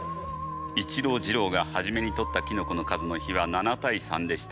一郎次郎が初めに採ったキノコの数の比は７対３でした。